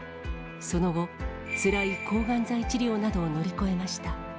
その後、つらい抗がん剤治療などを乗り越えました。